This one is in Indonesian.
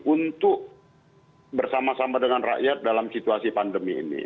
untuk bersama sama dengan rakyat dalam situasi pandemi ini